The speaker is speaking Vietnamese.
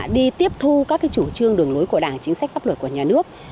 đi tiếp thu các chủ trương đường lối của đảng chính sách pháp luật của nhà nước